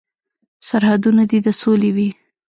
سرحدونه دې د سولې وي.